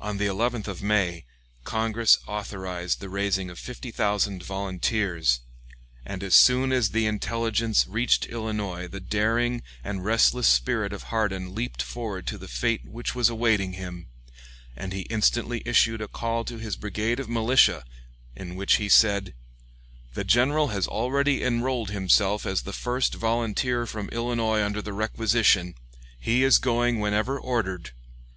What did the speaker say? On the 11th of May, Congress authorized the raising of fifty thousand volunteers, and as soon as the intelligence reached Illinois the daring and restless spirit of Hardin leaped forward to the fate which was awaiting him, and he instantly issued a call to his brigade of militia, in which he said: "The general has already enrolled himself as the first volunteer from Illinois under the requisition. He is going whenever ordered.